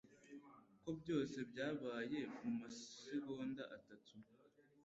Ko byose byabaye mumasegonda atatu.